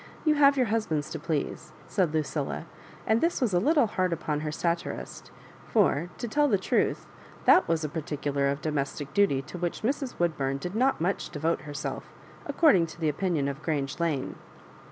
You have your hus bands to please," said Lucilla. And this was a little hard upon her satirist, for, to tell the truth, that was a particular dt domestic duty to which Mrs. Woodbum did not much devote her self according to the opinion of Grange Lane.